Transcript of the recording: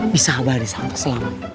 bisa haba di saat keselamatan